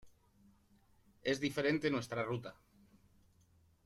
es diferente nuestra ruta.